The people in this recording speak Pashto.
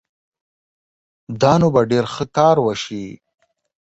دا نو به ډېر ښه کار وشي